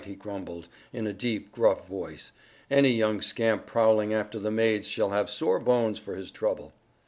he grumbled, in a deep, gruff voice; "any young scamp prowling after the maids shall have sore bones for his trouble."